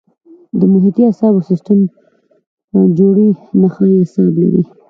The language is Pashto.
د محیطي اعصابو سیستم جوړې نخاعي اعصاب لري.